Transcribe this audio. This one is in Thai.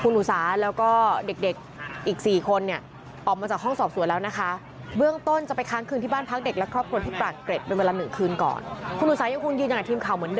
เนี่ยเจ้าหน้าทีพบพาร์ปงอุ